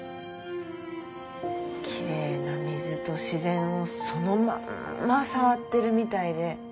きれいな水と自然をそのまんま触ってるみたいで。